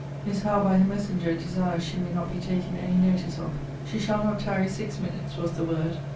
Miss Howe, by her messenger, desires she may not be taken any notice of. She shall not tarry six minutes, was the word.